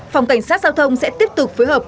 phòng cảnh sát giao thông sẽ tiếp tục phối hợp